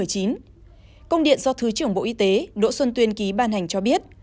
công điện do thứ trưởng bộ y tế đỗ xuân tuyên ký ban hành cho biết